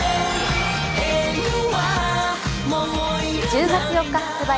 １０月４日発売